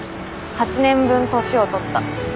８年分年を取った。